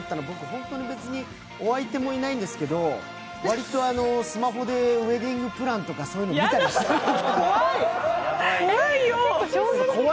僕、別にお相手もいないんですけど割りとスマホでウエディングプランとか見たりする。